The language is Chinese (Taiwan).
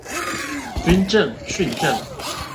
軍政、訓政